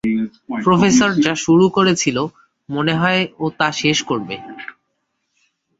Professor যা শুরু করেছিলো মনে হয় ও তা শেষ করবে।